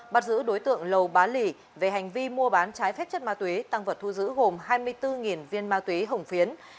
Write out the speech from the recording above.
bắt giữ đối tượng lầu bá lì về hành vi mua bán trái phép chất ma túy tăng vật thu giữ gồm hai mươi bốn viên ma túy hồng phiến